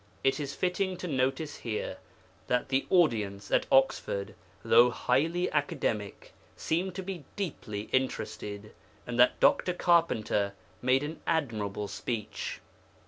It is fitting to notice here that the audience at Oxford, though highly academic, seemed to be deeply interested, and that Dr. Carpenter made an admirable speech.